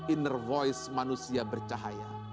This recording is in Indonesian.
inner voice manusia bercahaya